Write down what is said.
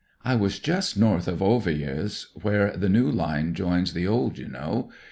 " I was just north of Ovillers, where the new line joins the old, you know.